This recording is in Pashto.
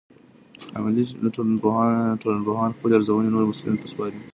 عملي ټولنپوهان خپلې ارزونې نورو مسؤلینو ته سپاري.